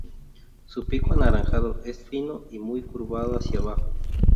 Su pico anaranjado es fino y muy curvado hacia abajo.